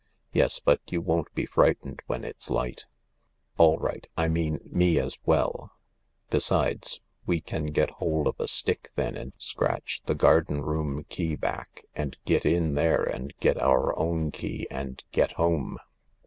"Yes, but you won't be frightened when it's light — all right, I mep me as well ; besides, we can get hold of a stick then and scratch the garden room key back, and get in there and get our own key and get home."